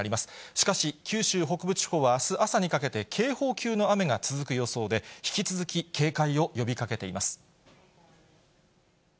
しかし、九州北部地方はあす朝にかけて警報級の雨が続く予想で、引き続きヘイ！